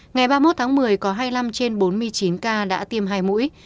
ngày ba mươi một tháng một mươi có hai mươi năm trên bốn mươi chín ca đã tiêm hai mũi